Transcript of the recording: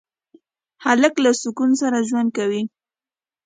هلک له سکون سره ژوند کوي.